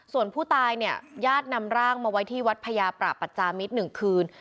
ส่วนผู้ตายเนี่ยญาตินำร่างมาไว้ที่วัดพญาประปัจจามิตร๑คืน